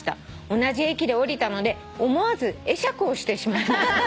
「同じ駅で降りたので思わず会釈をしてしまいました」